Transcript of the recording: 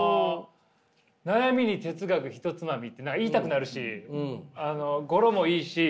「悩みに哲学ひとつまみ」って言いたくなるし語呂もいいし。